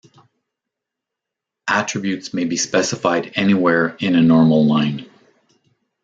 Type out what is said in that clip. Attributes may be specified anywhere in a normal line.